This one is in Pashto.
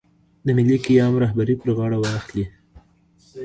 د ملي قیام رهبري پر غاړه واخلي.